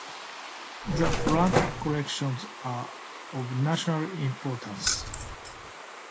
The plant collections are of national importance.